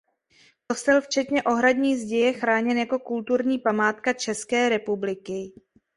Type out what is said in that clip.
Kostel včetně ohradní zdi je chráněn jako kulturní památka České republiky.